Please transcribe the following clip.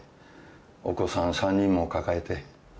お子さん３人も抱えて。